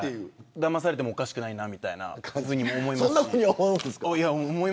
だまされてもおかしくないと思いますし。